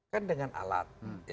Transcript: kan dengan alat